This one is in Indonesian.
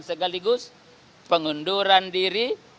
segaligus pengunduran diri